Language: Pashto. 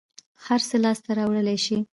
هر څه لاس ته راوړلى شې.